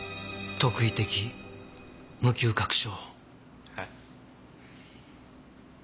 特異的無嗅覚症。